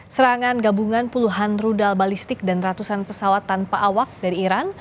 serangan gabungan puluhan rudal balistik dan ratusan pesawat tanpa awak dari iran